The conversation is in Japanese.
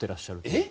えっ？